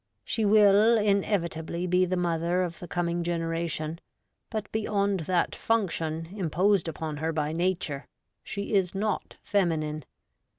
She will inevitably be the mother of the coming generation, but beyond that function im posed upon her by Nature, she is not feminine.